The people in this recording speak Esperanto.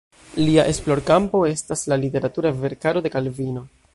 Lia esplorkampo estas la literatura verkaro de Kalvino.